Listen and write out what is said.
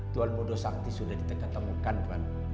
tuan mudo sakti sudah ditemukan tuan